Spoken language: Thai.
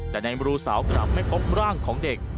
แต่ในบรูสาวกลับไม่พบร่างของเด็ก